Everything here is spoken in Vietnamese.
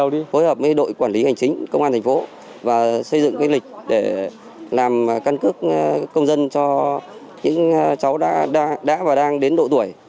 đã và đang đến độ tuổi